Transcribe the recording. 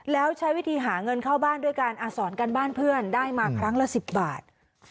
แล้วใช้วิธีหาเงินเข้าบ้านด้วยการอาสอนกันบ้านเพื่อนได้มาครั้งละ๑๐บาท